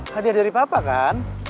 hadiah dari papa kan